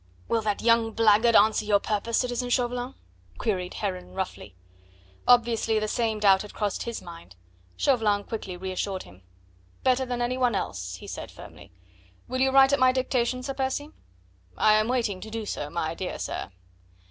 "Will that young blackguard answer your purpose, citizen Chauvelin?" queried Heron roughly. Obviously the same doubt had crossed his mind. Chauvelin quickly re assured him. "Better than any one else," he said firmly. "Will you write at my dictation, Sir Percy? "I am waiting to do so, my dear sir."